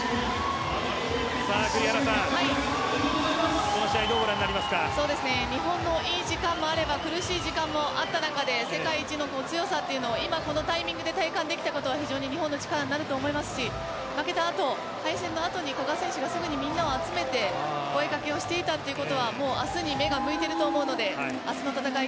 栗原さんこの試合日本のいい時間もあれば苦しい時間もあった中で世界一の強さというのを今、このタイミングで体感できたことは非常に日本の力になると思いますし、負けた後対戦の後に古賀選手がみんなを集めて声かけをしていたということは明日に目が向いていると思うので